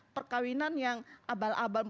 perkawinan yang abal abal